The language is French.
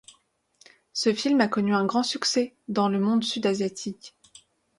Ce film a connu un grand succès dans le monde sud-asiatique.